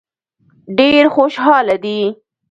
ډېر خوشاله دي.